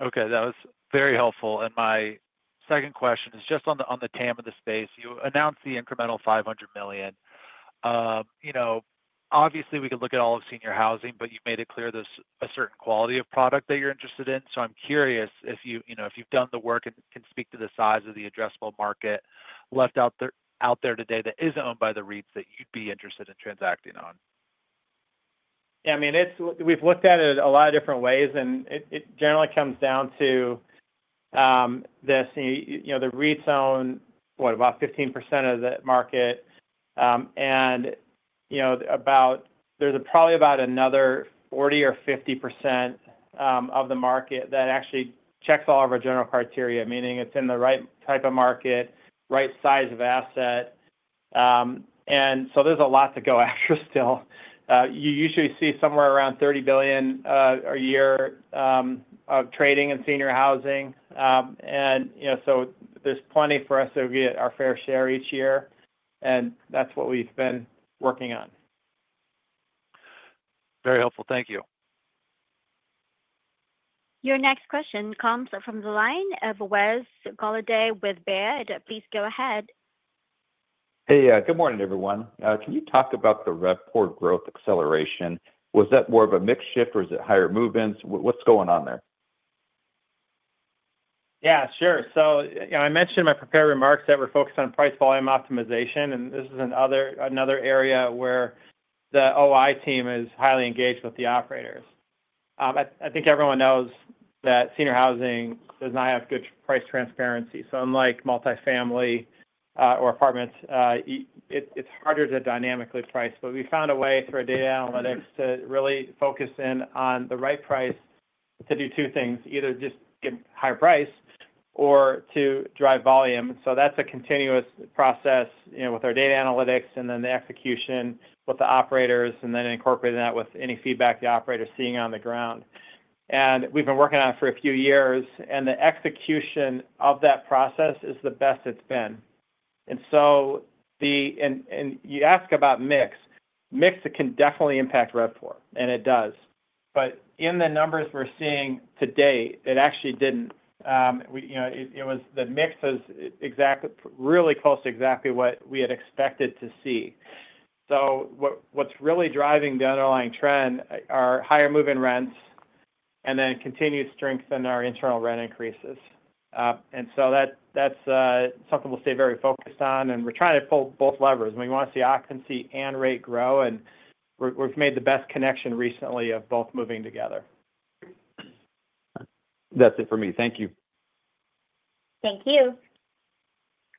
S10: Okay. That was very helpful. My second question is just on the TAM of the space. You announced the incremental $500 million. Obviously, we could look at all of senior housing, but you made it clear there's a certain quality of product that you're interested in. I'm curious if you've done the work and can speak to the size of the addressable market left out there today that isn't owned by the REITs that you'd be interested in transacting on.
S4: Yeah. I mean, we've looked at it a lot of different ways. It generally comes down to this: the REITs own, what, about 15% of the market. There's probably about another 40% or 50% of the market that actually checks all of our general criteria, meaning it's in the right type of market, right size of asset. There is a lot to go after still. You usually see somewhere around $30 billion a year of trading in senior housing. There is plenty for us to get our fair share each year. That's what we've been working on.
S10: Very helpful. Thank you.
S1: Your next question comes from the line of Wes Golladay with Baird. Please go ahead.
S11: Hey, good morning, everyone. Can you talk about the Rev 4 growth acceleration? Was that more of a mix shift, or is it higher move-ins? What's going on there?
S4: Yeah. Sure. I mentioned in my prepared remarks that we're focused on price volume optimization. This is another area where the Ventas OI team is highly engaged with the operators. I think everyone knows that senior housing does not have good price transparency. Unlike multifamily or apartments, it's harder to dynamically price. We found a way through our data analytics to really focus in on the right price to do two things: either just get higher price or to drive volume. That's a continuous process with our data analytics and the execution with the operators, incorporating that with any feedback the operator is seeing on the ground. We've been working on it for a few years, and the execution of that process is the best it's been. You ask about mix. Mix can definitely impact Rev 4, and it does. In the numbers we're seeing to date, it actually didn't. The mix was really close to exactly what we had expected to see. What's really driving the underlying trend are higher move-in rents and continued strength in our internal rent increases. That's something we'll stay very focused on. We're trying to pull both levers, and we want to see occupancy and rate grow. We've made the best connection recently of both moving together.
S11: That's it for me. Thank you.
S1: Thank you.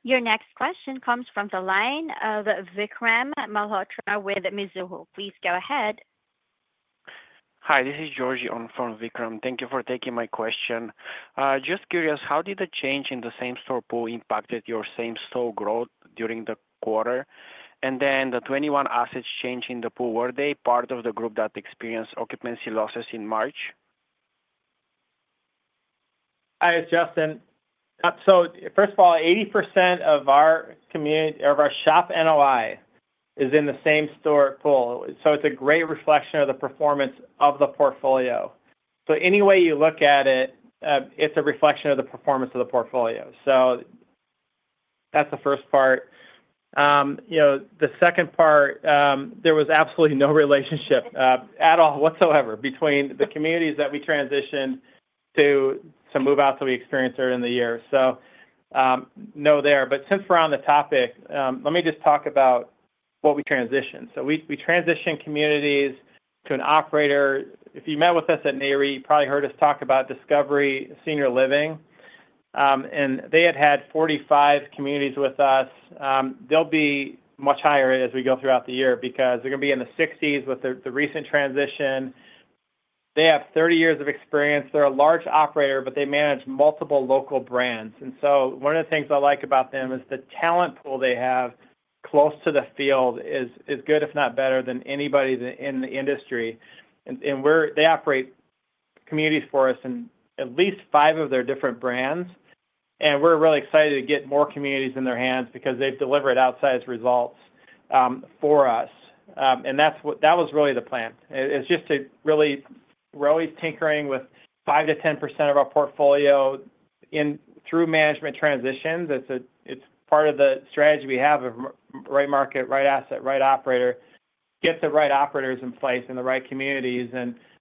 S1: Your next question comes from the line of Vikram Malhotra with Mizuho. Please go ahead.
S12: Hi. This is Georgi on for Vikram from Vikram. Thank you for taking my question. Just curious, how did the change in the same-store pool impact your same-store growth during the quarter? The 21 assets changed in the pool, were they part of the group that experienced occupancy losses in March?
S4: Hi. It's Justin. First of all, 80% of our SHOP NOI is in the same-store pool. It's a great reflection of the performance of the portfolio. Any way you look at it, it's a reflection of the performance of the portfolio. That's the first part. The second part, there was absolutely no relationship at all whatsoever between the communities that we transitioned to some move-outs that we experienced during the year. No there. Since we're on the topic, let me just talk about what we transitioned. We transitioned communities to an operator. If you met with us at Nareit, you probably heard us talk about Discovery Senior Living. They had had 45 communities with us. They'll be much higher as we go throughout the year because they're going to be in the 60s with the recent transition. They have 30 years of experience. They're a large operator, but they manage multiple local brands. One of the things I like about them is the talent pool they have close to the field is good, if not better, than anybody in the industry. They operate communities for us in at least five of their different brands. We're really excited to get more communities in their hands because they've delivered outsized results for us. That was really the plan. We're always tinkering with 5%-10% of our portfolio through management transitions. It's part of the strategy we have of right market, right asset, right operator, get the right operators in place in the right communities.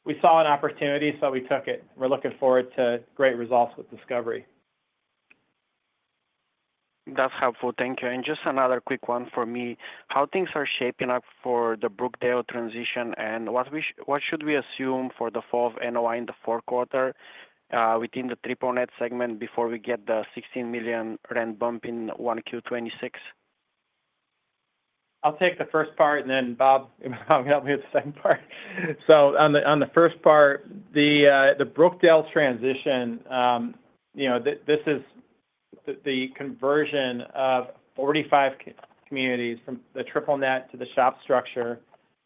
S4: We saw an opportunity, so we took it. We're looking forward to great results with Discovery.
S12: That's helpful. Thank you. Just another quick one for me. How are things shaping up for the Brookdale transition, and what should we assume for the fall of NOI in the fourth quarter within the 3.0 net segment before we get the $16 million rent bump in Q1 2026?
S4: I'll take the first part, and then Bob can help me with the second part. On the first part, the Brookdale transition, this is the conversion of 45 communities from the triple net to the SHOP structure,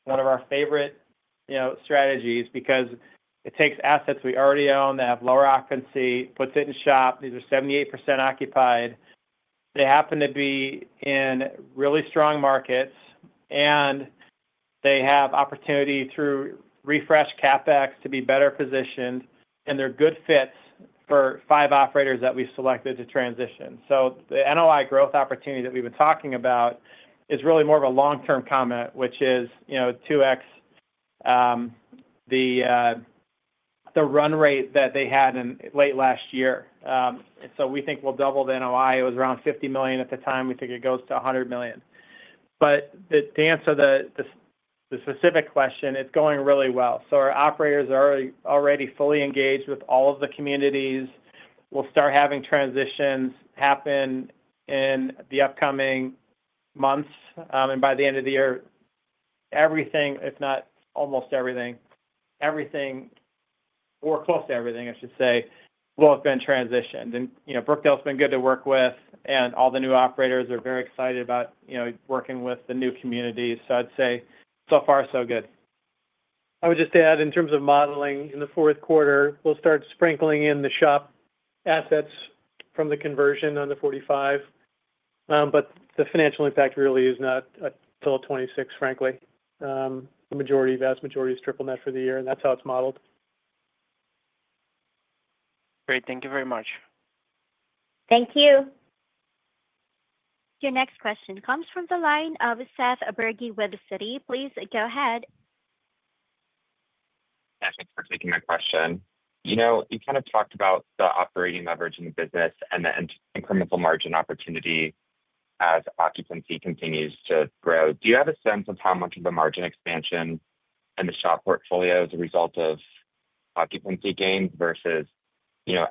S4: one of our favorite strategies because it takes assets we already own that have lower occupancy and puts it in SHOP. These are 78% occupied. They happen to be in really strong markets, and they have opportunity through refresh CapEx to be better positioned. They're good fits for five operators that we selected to transition. The NOI growth opportunity that we've been talking about is really more of a long-term comment, which is 2x the run rate that they had in late last year. We think we'll double the NOI. It was around $50 million at the time. We think it goes to $100 million. To answer the specific question, it's going really well. Our operators are already fully engaged with all of the communities. We'll start having transitions happen in the upcoming months. By the end of the year, everything, if not almost everything, or close to everything, I should say, will have been transitioned. Brookdale's been good to work with, and all the new operators are very excited about working with the new communities. I'd say so far, so good. I would just add, in terms of modeling in the fourth quarter, we'll start sprinkling in the SHOP assets from the conversion on the 45. The financial impact really is not until 2026, frankly. The vast majority is triple net for the year, and that's how it's modeled.
S12: Great. Thank you very much.
S1: Thank you. Your next question comes from the line of Seth Bergey with Citi. Please go ahead.
S13: Thanks for taking my question. You kind of talked about the operating leverage in the business and the incremental margin opportunity as occupancy continues to grow. Do you have a sense of how much of the margin expansion in the SHOP is a result of occupancy gains versus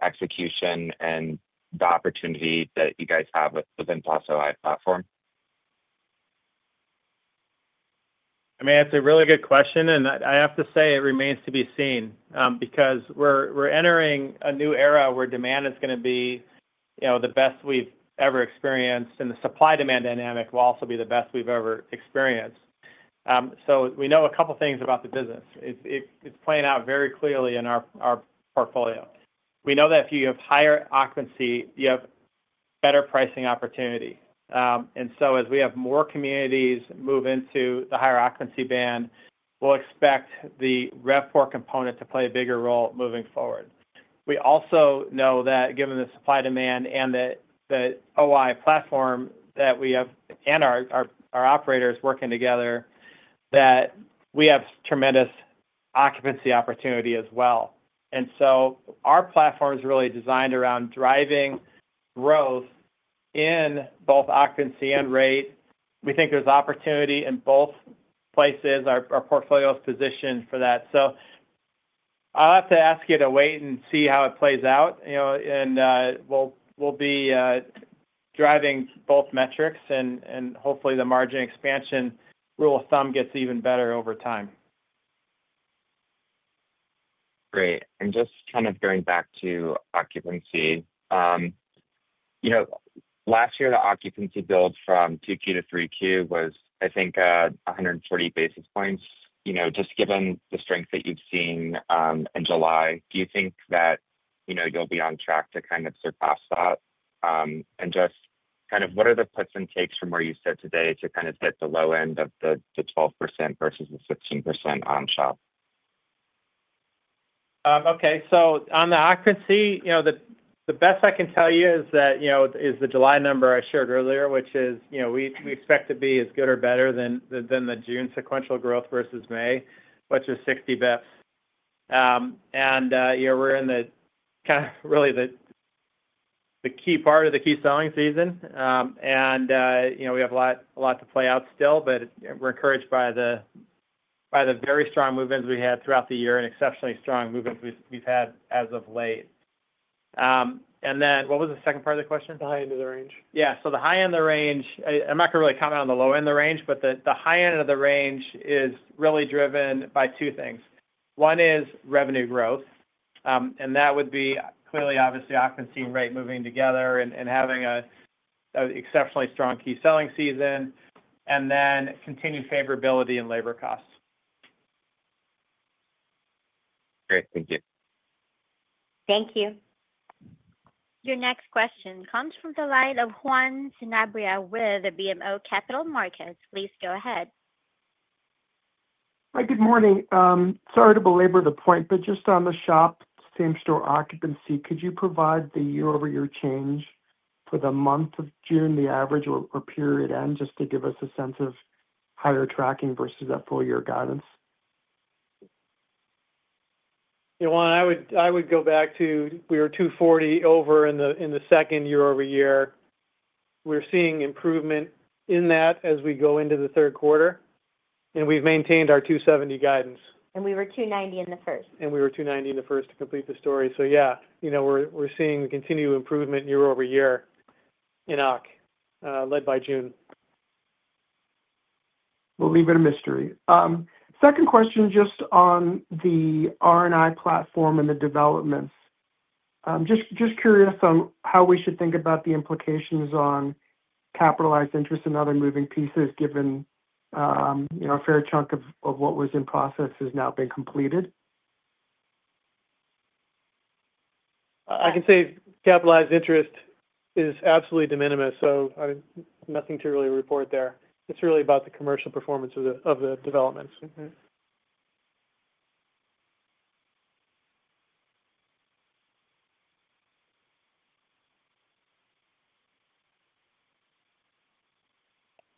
S13: execution and the opportunity that you guys have within the Ventas OI platform?
S4: That's a really good question. I have to say it remains to be seen because we're entering a new era where demand is going to be the best we've ever experienced, and the supply-demand dynamic will also be the best we've ever experienced. We know a couple of things about the business. It's playing out very clearly in our portfolio. We know that if you have higher occupancy, you have better pricing opportunity. As we have more communities move into the higher occupancy band, we'll expect the Rev 4 component to play a bigger role moving forward. We also know that given the supply-demand and the Ventas OI platform that we have and our operators working together, we have tremendous occupancy opportunity as well. Our platform is really designed around driving growth in both occupancy and rate. We think there's opportunity in both places. Our portfolio is positioned for that. I'll have to ask you to wait and see how it plays out. We'll be driving both metrics, and hopefully, the margin expansion rule of thumb gets even better over time.
S13: Great. Just kind of going back to occupancy, last year the occupancy build from 2Q to 3Q was, I think, 140 basis points. Just given the strength that you've seen in July, do you think that you'll be on track to kind of surpass that? Just kind of what are the puts and takes from where you sit today to kind of hit the low end of the 12% versus the 16% on SHOP?
S4: Okay. On the occupancy, the best I can tell you is the July number I shared earlier, which is we expect to be as good or better than the June sequential growth versus May, which is 60 basis points. We're in really the key part of the key selling season, and we have a lot to play out still, but we're encouraged by the very strong movements we had throughout the year and exceptionally strong movements we've had as of late. What was the second part of the question?
S13: The high end of the range.
S4: Yeah. The high end of the range is really driven by two things. One is revenue growth. That would be clearly, obviously, occupancy and rate moving together and having an exceptionally strong key selling season, and then continued favorability in labor costs.
S13: Great. Thank you.
S1: Thank you. Your next question comes from the line of Juan Sanabria with BMO Capital Markets. Please go ahead.
S14: Hi. Good morning. Sorry to belabor the point, but just on the SHOP same-store occupancy, could you provide the year-over-year change for the month of June, the average or period end, just to give us a sense of how you're tracking versus that full-year guidance?
S5: I would go back to we were 240 over in the second year-over-year. We're seeing improvement in that as we go into the third quarter, and we've maintained our 270 guidance.
S3: We were $290 million in the first.
S5: We were at $290 million in the first to complete the story. We're seeing continued improvement year-over-year in OC, led by June.
S14: We'll leave it a mystery. Second question just on the R&I platform and the developments. Just curious on how we should think about the implications on capitalized interest and other moving pieces, given a fair chunk of what was in process has now been completed.
S5: I can say capitalized interest is absolutely de minimis, so nothing to really report there. It's really about the commercial performance of the developments.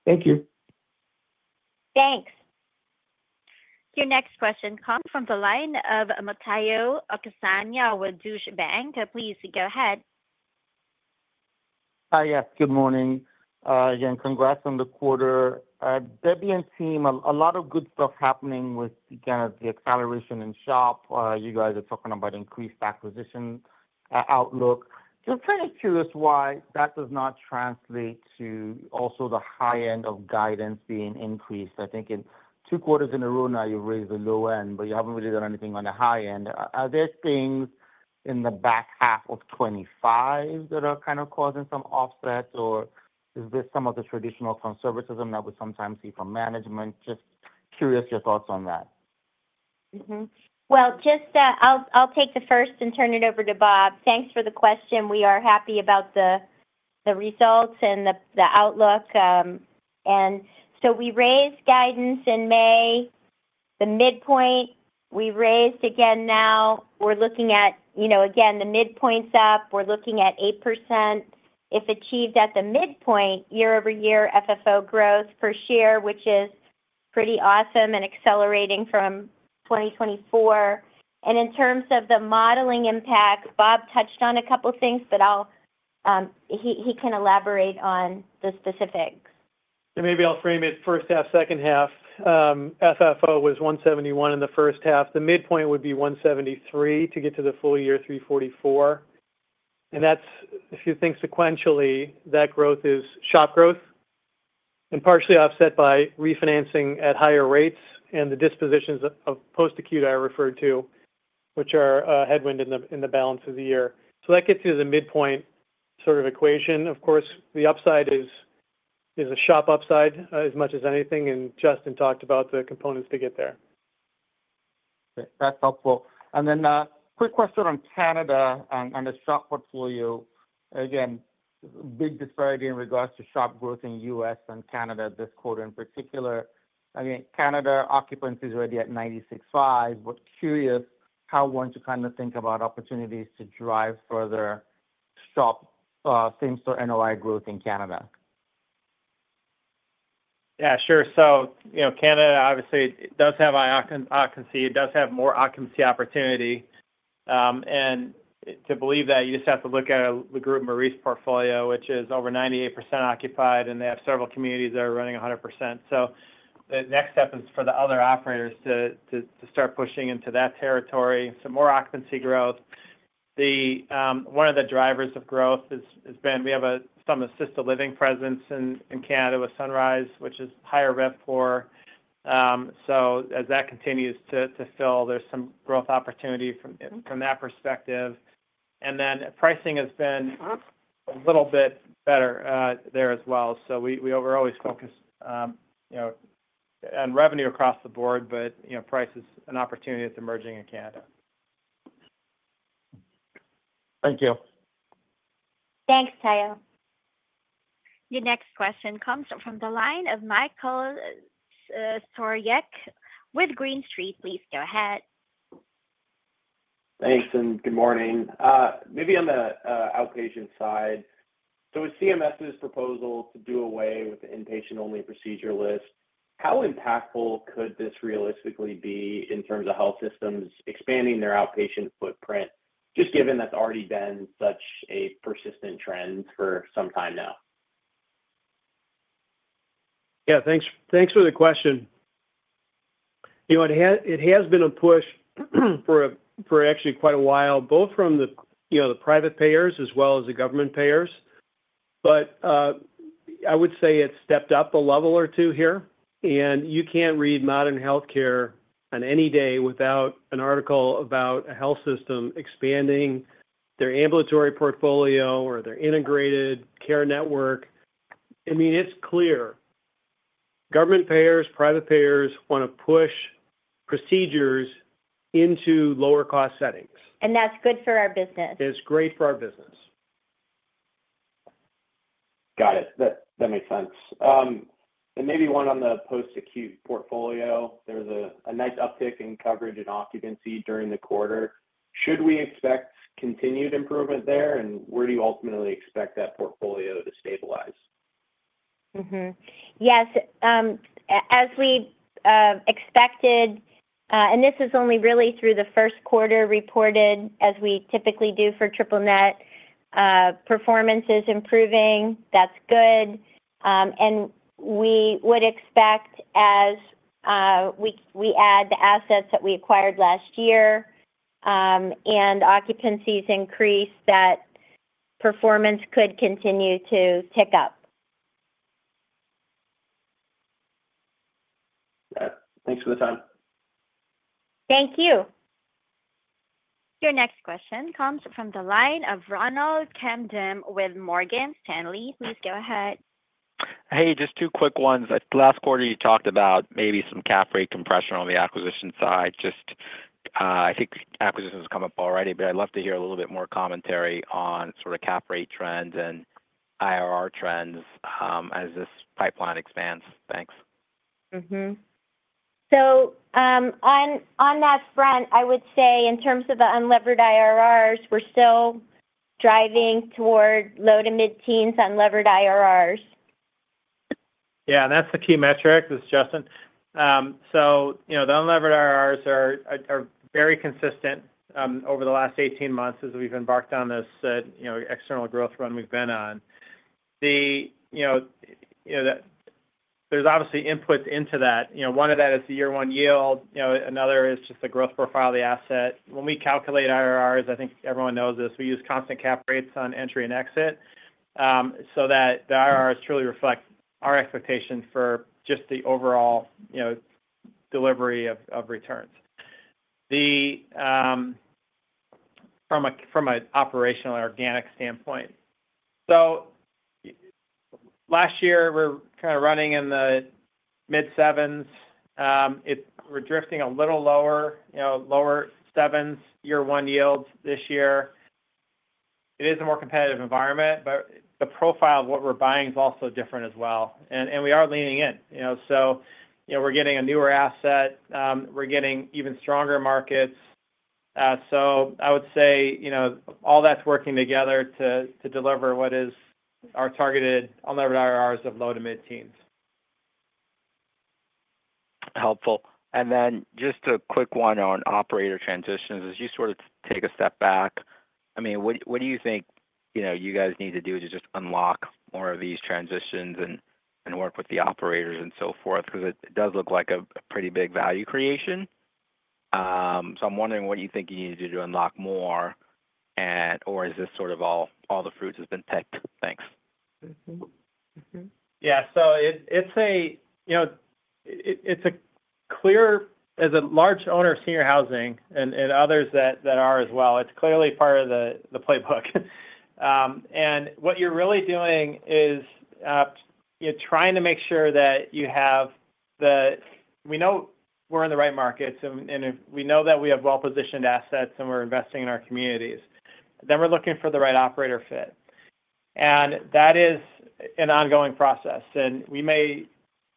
S14: Thank you.
S1: Thanks. Your next question comes from the line of Omotayo Okusanya with Deutsche Bank. Please go ahead.
S15: Hi. Yes. Good morning. Again, congrats on the quarter. Debbie and team, a lot of good stuff happening with kind of the acceleration in SHOP. You guys are talking about increased acquisition outlook. Just kind of curious why that does not translate to also the high end of guidance being increased. I think in two quarters in a row now, you've raised the low end, but you haven't really done anything on the high end. Are there things in the back half of 2025 that are kind of causing some offset, or is this some of the traditional conservatism that we sometimes see from management? Just curious your thoughts on that.
S3: I'll take the first and turn it over to Bob. Thanks for the question. We are happy about the results and the outlook. We raised guidance in May. The midpoint, we raised again now. We're looking at, again, the midpoint's up. We're looking at 8%. If achieved at the midpoint, year-over-year FFO growth per share, which is pretty awesome and accelerating from 2024. In terms of the modeling impact, Bob touched on a couple of things, but he can elaborate on the specifics.
S5: Maybe I'll frame it first half, second half. FFO was $1.71 in the first half. The midpoint would be $1.73 to get to the full year, $3.44. If you think sequentially, that growth is SHOP growth and partially offset by refinancing at higher rates and the dispositions of post-acute I referred to, which are a headwind in the balance of the year. That gets you to the midpoint sort of equation. Of course, the upside is a SHOP upside as much as anything, and Justin talked about the components to get there.
S15: That's helpful. A quick question on Canada and the SHOP portfolio. Again, big disparity in regards to SHOP growth in the U.S. and Canada this quarter in particular. I mean, Canada occupancy is already at 96.5%, but curious how you want to kind of think about opportunities to drive further SHOP same-store NOI growth in Canada.
S4: Yeah. Sure. Canada obviously does have high occupancy. It does have more occupancy opportunity. To believe that, you just have to look at the Le Groupe Maurice portfolio, which is over 98% occupied, and they have several communities that are running 100%. The next step is for the other operators to start pushing into that territory, some more occupancy growth. One of the drivers of growth has been we have some assisted living presence in Canada with Sunrise, which is higher Rev 4. As that continues to fill, there's some growth opportunity from that perspective. Pricing has been a little bit better there as well. We're always focused on revenue across the board, but price is an opportunity that's emerging in Canada.
S15: Thank you.
S1: Thanks, Tayo. Your next question comes from the line of Michael Stroyeck with Green Street. Please go ahead.
S16: Thanks, and good morning. Maybe on the outpatient side, with CMS's proposal to do away with the inpatient-only procedure list, how impactful could this realistically be in terms of health systems expanding their outpatient footprint, just given that's already been such a persistent trend for some time now?
S9: Yeah. Thanks for the question. It has been a push for actually quite a while, both from the private payers as well as the government payers. I would say it's stepped up a level or two here. You can't read modern healthcare on any day without an article about a health system expanding their ambulatory portfolio or their integrated care network. I mean, it's clear. Government payers, private payers want to push procedures into lower-cost settings.
S3: That is good for our business.
S9: It's great for our business.
S16: Got it. That makes sense. Maybe one on the post-acute portfolio. There was a nice uptick in coverage and occupancy during the quarter. Should we expect continued improvement there, and where do you ultimately expect that portfolio to stabilize?
S3: Yes. As we expected, and this is only really through the first quarter reported, as we typically do for triple net, performance is improving. That's good. We would expect, as we add the assets that we acquired last year and occupancies increase, that performance could continue to tick up.
S16: Thanks for the time.
S1: Thank you. Your next question comes from the line of Ronald Camden with Morgan Stanley. Please go ahead.
S17: Hey, just two quick ones. Last quarter, you talked about maybe some cap rate compression on the acquisition side. I think acquisitions have come up already, but I'd love to hear a little bit more commentary on sort of cap rate trends and IRR trends as this pipeline expands. Thanks.
S3: On that front, I would say in terms of the unlevered IRRs, we're still driving toward low to mid-teens unlevered IRRs.
S4: Yeah. That's the key metric, Justin. The unlevered IRRs are very consistent over the last 18 months as we've embarked on this external growth run we've been on. There are obviously inputs into that. One of that is the year-one yield. Another is just the growth profile of the asset. When we calculate IRRs, I think everyone knows this, we use constant cap rates on entry and exit so that the IRRs truly reflect our expectations for just the overall delivery of returns from an operational organic standpoint. Last year, we're kind of running in the mid-7s. We're drifting a little lower, lower 7s year-one yields this year. It is a more competitive environment, but the profile of what we're buying is also different as well. We are leaning in. We're getting a newer asset. We're getting even stronger markets. I would say all that's working together to deliver what is our targeted unlevered IRRs of low to mid-teens.
S17: Helpful. Just a quick one on operator transitions. As you sort of take a step back, what do you think you guys need to do to unlock more of these transitions and work with the operators and so forth? It does look like a pretty big value creation. I'm wondering what you think you need to do to unlock more. Is this sort of all the fruits have been picked? Thanks.
S4: Yeah. It is clear as a large owner of senior housing and others that are as well, it's clearly part of the playbook. What you're really doing is trying to make sure that you have the—we know we're in the right markets, and we know that we have well-positioned assets, and we're investing in our communities. Then we're looking for the right operator fit. That is an ongoing process. We may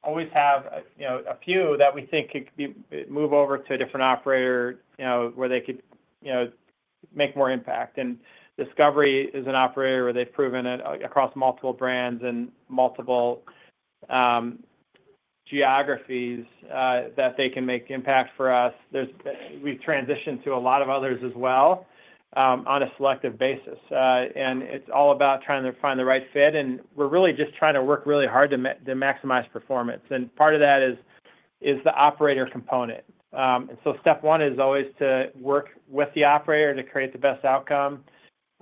S4: always have a few that we think could move over to a different operator where they could make more impact. Discovery is an operator where they've proven it across multiple brands and multiple geographies that they can make impact for us. We've transitioned to a lot of others as well on a selective basis. It's all about trying to find the right fit. We're really just trying to work really hard to maximize performance. Part of that is the operator component. Step one is always to work with the operator to create the best outcome.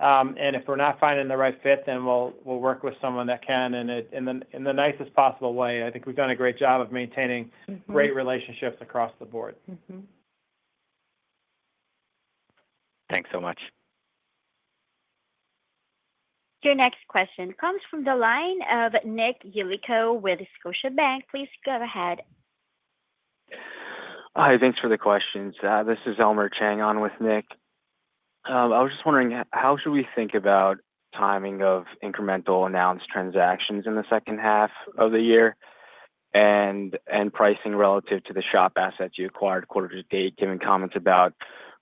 S4: If we're not finding the right fit, then we'll work with someone that can in the nicest possible way. I think we've done a great job of maintaining great relationships across the board.
S17: Thanks so much.
S1: Your next question comes from the line of Nick Yulico with Scotiabank. Please go ahead.
S18: Hi. Thanks for the questions. This is Elmer Chang on with Nick. I was just wondering, how should we think about timing of incremental announced transactions in the second half of the year and pricing relative to the SHOP assets you acquired quarter to date, giving comments about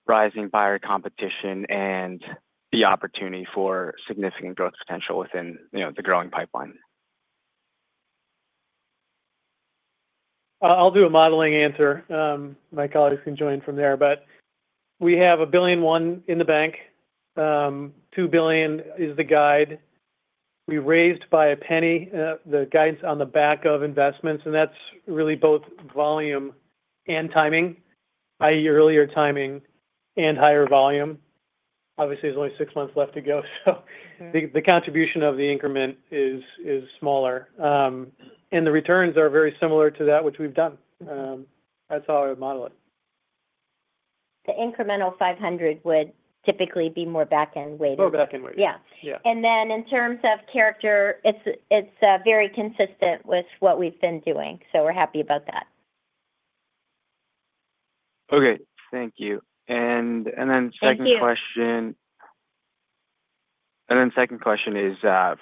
S18: rising buyer competition and the opportunity for significant growth potential within the growing pipeline?
S5: I'll do a modeling answer. My colleagues can join from there. We have $1.1 billion in the bank. $2 billion is the guide. We raised by a penny the guidance on the back of investments, and that's really both volume and timing, i.e., earlier timing and higher volume. Obviously, there's only six months left to go, so the contribution of the increment is smaller. The returns are very similar to that which we've done. That's how I would model it.
S3: The incremental $500 million would typically be more back-end weighted. More back-end weighted. In terms of character, it's very consistent with what we've been doing. We're happy about that.
S18: Thank you. For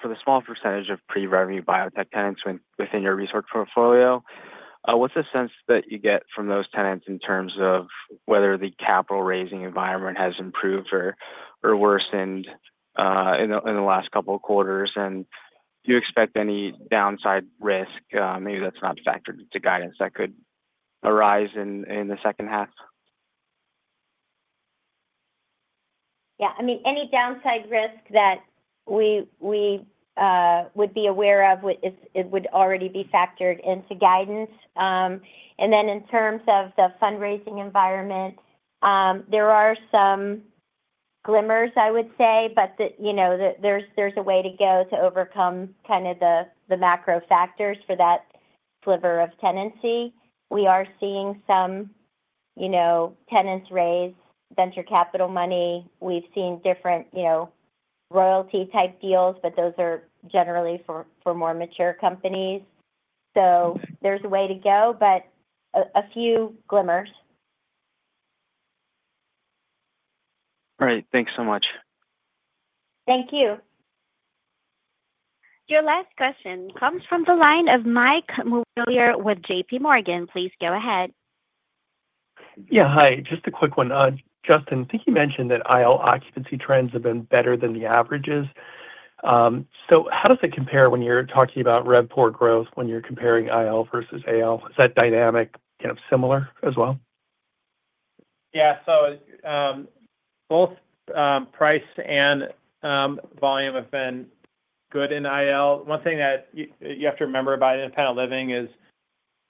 S18: the small percentage of pre-revenue biotech tenants within your research portfolio, what's the sense that you get from those tenants in terms of whether the capital raising environment has improved or worsened in the last couple of quarters? Do you expect any downside risk, maybe that's not factored into guidance, that could arise in the second half?
S3: Yeah. I mean, any downside risk that we would be aware of would already be factored into guidance. In terms of the fundraising environment, there are some glimmers, I would say, but there's a way to go to overcome kind of the macro factors for that sliver of tenancy. We are seeing some tenants raise venture capital money. We've seen different royalty-type deals, but those are generally for more mature companies. There's a way to go, but a few glimmers.
S18: All right. Thanks so much.
S1: Thank you. Your last question comes from the line of Mike Mawillier with JPMorgan. Please go ahead.
S19: Yeah. Hi. Just a quick one. Justin, I think you mentioned that IL occupancy trends have been better than the averages. How does it compare when you're talking about Rev 4 growth when you're comparing IL versus AL? Is that dynamic kind of similar as well?
S4: Yeah. Both price and volume have been good in IL. One thing that you have to remember about independent living is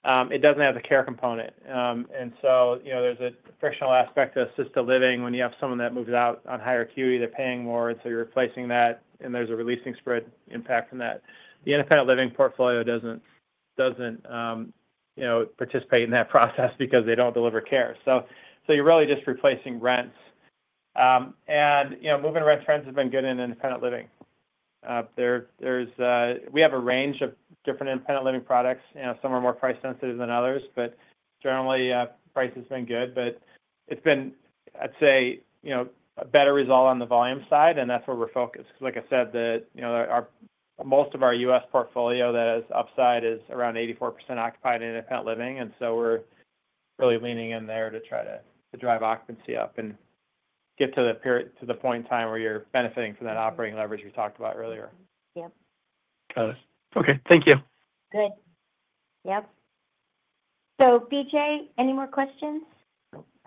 S4: it doesn't have the care component, and so there's a frictional aspect to assisted living when you have someone that moves out on higher acuity. They're paying more, and so you're replacing that, and there's a releasing spread impact from that. The independent living portfolio doesn't participate in that process because they don't deliver care, so you're really just replacing rents. Moving rent trends have been good in independent living. We have a range of different independent living products. Some are more price-sensitive than others, but generally, price has been good. It's been, I'd say, a better result on the volume side, and that's where we're focused. Like I said, most of our U.S.portfolio that has upside is around 84% occupied in independent living, so we're really leaning in there to try to drive occupancy up and get to the point in time where you're benefiting from that operating leverage we talked about earlier.
S3: Yep.
S19: Got it. Okay. Thank you.
S3: Good. Yep. So, Vijay any more questions?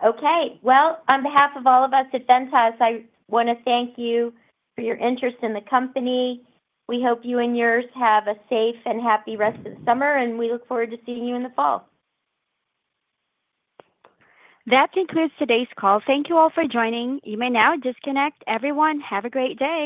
S3: Okay. On behalf of all of us at Ventas, I want to thank you for your interest in the company. We hope you and yours have a safe and happy rest of the summer, and we look forward to seeing you in the fall.
S1: That concludes today's call. Thank you all for joining. You may now disconnect. Everyone, have a great day.